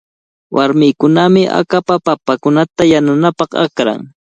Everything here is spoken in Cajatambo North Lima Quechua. Warmikunami akapa papakunata yanunapaq akran.